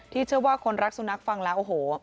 เชื่อว่าคนรักสุนัขฟังแล้วโอ้โห